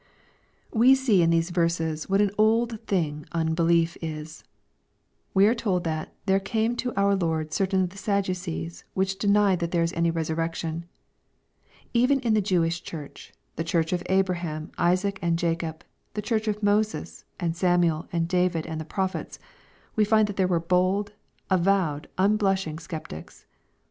We see in these verses what an old thing unbelief is. We are told that " there came to our Lord certain of the Sadducees, which deny that there is any resurrection/' Even in the Jewish Churchy the Church of Abraham, and Isaac, and Jacob, — ^the Church of Moses, and Sam uel, and David, and the prophets, — ^we find that there were bold, avowed, unblushing sceptics.